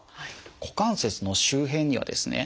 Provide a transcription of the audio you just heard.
股関節の周辺にはですね